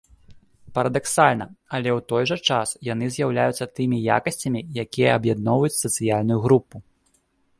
Парадаксальна, але ў той жа час яны з'яўляюцца тымі якасцямі, якія аб'ядноўваюць сацыяльную групу.